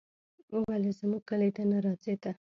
ولې زموږ کلي ته نه راځې ته